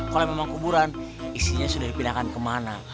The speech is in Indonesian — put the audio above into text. kalau memang kuburan isinya sudah dipindahkan ke mana